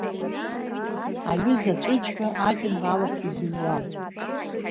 Аҩыза Ҵәыџьба ажәеинраалақәа изыҩуам.